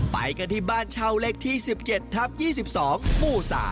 ไปกันที่บ้านเช่าเลขที่๑๗ทับ๒๒หมู่๓